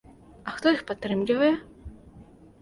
А хто іх падтрымлівае?